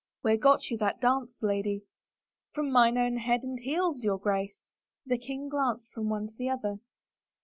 " Where got you that dance, lady ?"" From mine own head and heels, your Grace." The king glanced from one to the other.